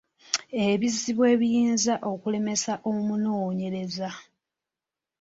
Ebizibu ebiyinza okulemesa omunoonyereza.